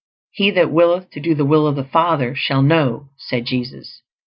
"He that willeth to do the will of the Father shall KNOW," said Jesus.